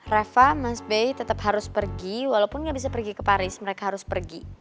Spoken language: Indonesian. reva mas bay tetap harus pergi walaupun nggak bisa pergi ke paris mereka harus pergi